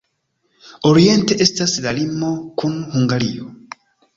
Oriente estas la limo kun Hungario.